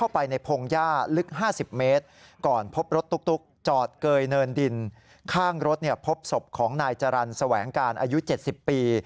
เป็นดินข้างรถพบศพของนายจรรย์สวัยงการอายุ๗๐ปี